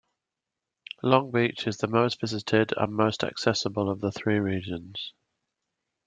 Long Beach is the most visited and most accessible of the three regions.